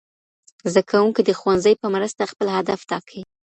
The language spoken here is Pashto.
زدهکوونکي د ښوونځي په مرسته خپل هدف ټاکي.